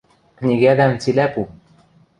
Книгӓдӓм цилӓ пу...